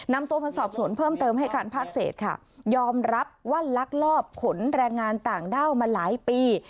นำตัวมาสอบสวนเพิ่มเติมให้การภาคเศษค่ะยอมรับว่าลักลอบขนแรงงานต่างด้าวมาหลายปี